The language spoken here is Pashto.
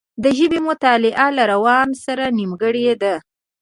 د ژبې مطالعه له روان سره نېمګړې ده